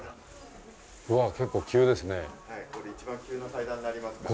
うわあ結構急ですね。